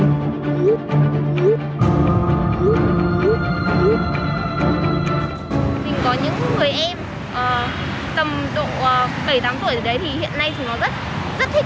mình có những người em tầm độ bảy tám tuổi rồi đấy thì hiện nay thì nó rất